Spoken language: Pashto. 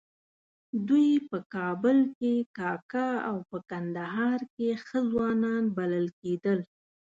دوی په کابل کې کاکه او په کندهار کې ښه ځوان بلل کېدل.